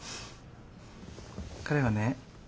彼はね